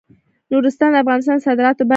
نورستان د افغانستان د صادراتو برخه ده.